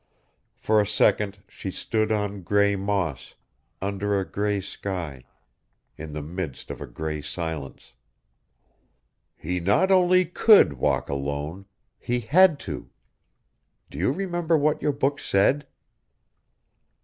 For a second she stood on gray moss, under a gray sky, in the midst of a gray silence. "He not only could walk alone, he had to. Do you remember what your book said?"